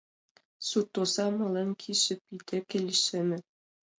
Суртоза мален кийыше пий деке лишеме.